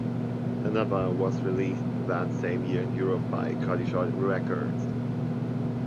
Another was released that same year in Europe by Cutty Shark Records.